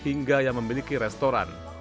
hingga yang memiliki restoran